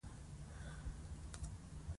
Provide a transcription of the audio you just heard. او د داسې پریکړو پایلې همیشه ښې نه وي.